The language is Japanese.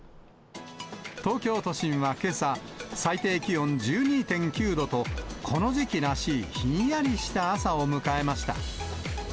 東京都心はけさ、最低気温１２．９度と、この時期らしいひんやりした朝を迎えました。